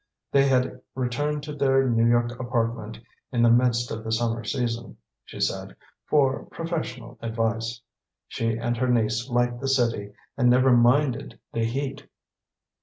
They had returned to their New York apartment in the midst of the summer season, she said, "for professional advice." She and her niece liked the city and never minded the heat.